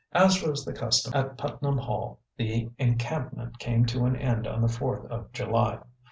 As was the custom at Putnam Hall the encampment came to an end on the Fourth of July.